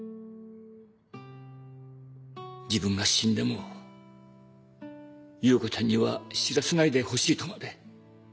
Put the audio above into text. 自分が死んでも優子ちゃんには知らせないでほしいとまで。